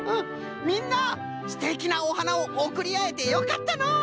みんなすてきなおはなをおくりあえてよかったのう。